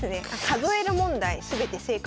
数える問題全て悔しい。